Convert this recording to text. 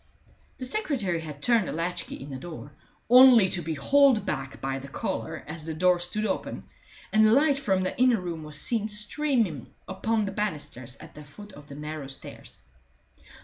The secretary had turned the latch key in the door, only to be hauled back by the collar as the door stood open, and the light from the inner room was seen streaming upon the banisters at the foot of the narrow stairs.